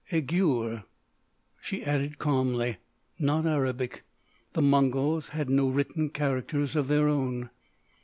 "Eighur," she added calmly, "not Arabic. The Mongols had no written characters of their own."